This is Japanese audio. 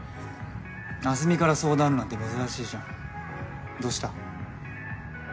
明日美から相談なんて珍しいじゃんどうした？